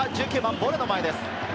ボレの前です。